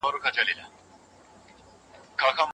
اوسیدونکي باید د خپل ځای ساتنه وکړي.